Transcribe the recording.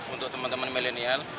untuk teman teman milenial